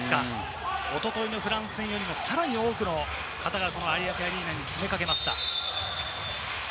おとといのフランス戦よりも、さらに多くの方が有明アリーナに詰めかけました。